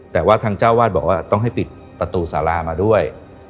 แต่ว่าทางเจ้าวาดบอกว่าต้องให้ปิดประตูสารามาด้วย